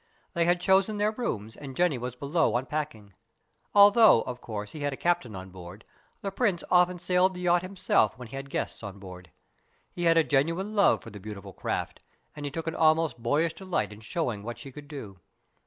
They had chosen their rooms, and Jenny was below unpacking. Although, of course, he had a captain on board, the Prince often sailed the yacht himself when he had guests on board. He had a genuine love for the beautiful craft, and he took an almost boyish delight in showing what she could do.